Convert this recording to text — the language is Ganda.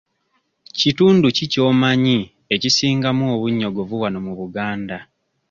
Kitundu ki ky'omanyi ekisingamu obunnyogovu wano mu Buganda?